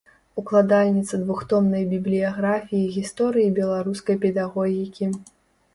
Укладальніца двухтомнай бібліяграфіі гісторыі беларускай педагогікі.